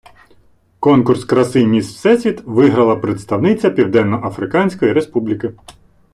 Конкурс краси "Міс Всесвіт" виграла представниця Південно-Африканської Республіки.